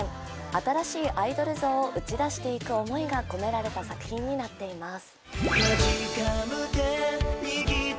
新しいアイドル像を打ち出していく思いが込められた作品になってます。